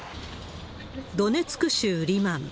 ドネツク州リマン。